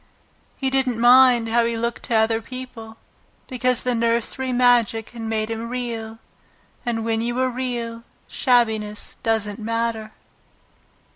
He didn't mind how he looked to other people, because the nursery magic had made him Real, and when you are Real shabbiness doesn't matter.